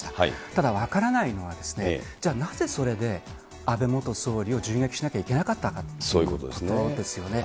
ただ、分からないのは、じゃあ、なぜそれで安倍元総理を銃撃しなきゃいけなかったかということでそういうことですね。